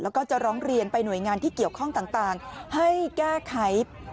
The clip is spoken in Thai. แล้วก็จะร้องเรียนไปหน่วยงานที่เกี่ยวข้องต่างให้แก้ไข